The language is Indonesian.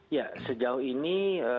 ya sejauh ini